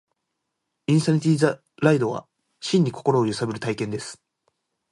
インサニティ・ザ・ライドは、真に心を揺さぶる体験です